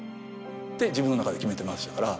って自分の中で決めてましたから。